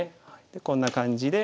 でこんな感じで。